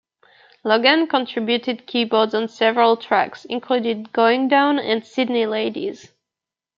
Logan contributed keyboards on several tracks, including "Goin' Down" and "Sydney Ladies".